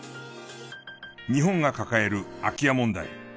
日本が抱える空き家問題。